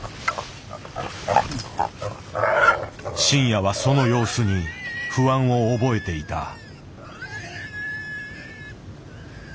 真矢はその様子に不安を覚えていた。